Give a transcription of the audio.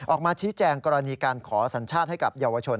ออกมาชี้แจงกรณีการขอสัญชาติให้กับเยาวชน